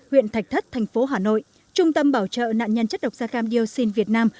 huyện thạch thất thành phố hà nội trung tâm bảo trợ nạn nhân chất độc da cam dioxin việt nam